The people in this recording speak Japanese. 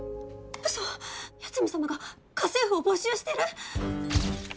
ウソ八海サマが家政婦を募集してる！？